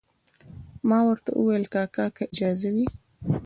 ما ورته وویل کاکا که اجازه وي.